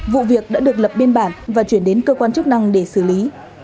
vụ việc đã được lập biên bản và chuyển đến cơ quan chức năng để xử lý